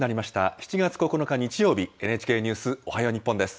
７月９日日曜日、ＮＨＫニュースおはよう日本です。